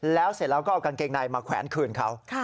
แล้วเสร็จแล้วก็เอากางเกงในมาแขวนคืนเขา